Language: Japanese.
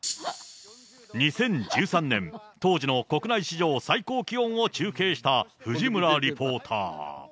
２０１３年、当時の国内史上最高気温を中継した藤村リポーター。